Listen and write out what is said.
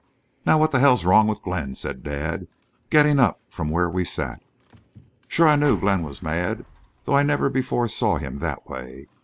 "'Now what the hell's wrong with Glenn?' said dad, getting up from where we sat. "Shore I knew Glenn was mad, though I never before saw him that way.